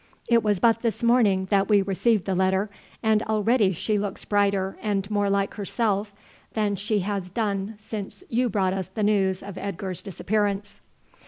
It was but this morning that we received the letter, and already she looks brighter and more like herself than she has done since you brought us the news of Edgar's disappearance."